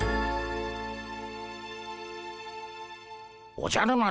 おじゃる丸